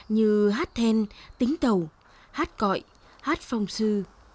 như hát then tính tẩu hát cõi hát phong sư